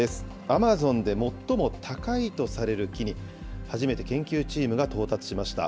アマゾンで最も高いとされる木に、初めて研究チームが到達しました。